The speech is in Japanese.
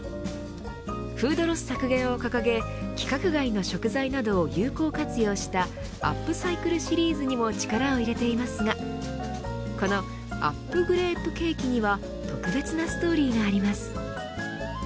フードロス削減を掲げ規格外の食材などを有効活用したアップサイクルシリーズにも力を入れていますがこのＵｐグレープケーキには特別なストーリーがあります。